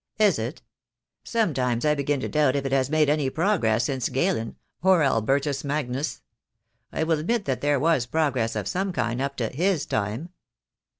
"Is it? Sometimes I begin to doubt if it has made any progress since Galen — or Albertus Magnus. I will admit that there was progress of some kind up to his time."